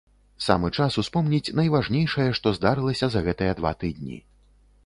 Самы час успомніць найважнейшае, што здарылася за гэтыя два тыдні.